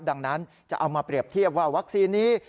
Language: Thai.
ดังนั้นจะเอามาเปรียบเทียบว่าวัคซีนนี้